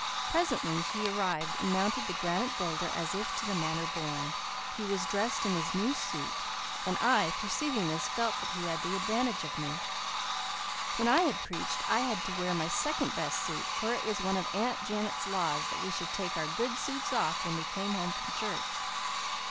Presently he arrived and mounted the granite boulder as if to the manor born. He was dressed in his new suit and I, perceiving this, felt that he had the advantage of me. When I preached I had to wear my second best suit, for it was one of Aunt Janet's laws that we should take our good suits off when we came home from church.